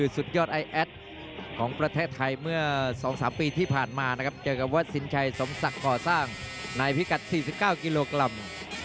สุดยอดไอแอดของประเทศไทยเมื่อ๒๓ปีที่ผ่านมานะครับเจอกับวัดสินชัยสมศักดิ์ก่อสร้างในพิกัด๔๙กิโลกรัม